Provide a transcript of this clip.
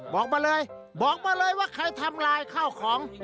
บอกมาเลยบอกมาเลยว่าใครทำลายข้าวของ